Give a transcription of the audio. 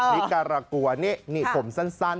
นิการากัวนี่ผมสั้น